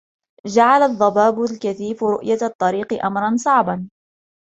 جعل الضباب الكثيف رؤية الطريق أمرا صعبا.